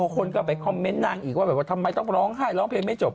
คนก็ไปคอมเมนต์นางอีกว่าแบบว่าทำไมต้องร้องไห้ร้องเพลงไม่จบ